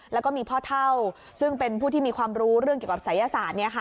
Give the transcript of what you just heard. แล้วก็มีพ่อเท่าซึ่งเป็นผู้ที่มีความรู้เรื่องเกี่ยวกับศัยศาสตร์